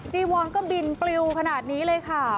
จีวอนก็บินปลิวขนาดนี้เลยค่ะ